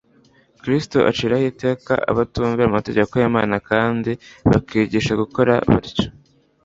Kristo aciraho iteka abatumvira amategeko y'Imana kandi bakigisha gukora batyo.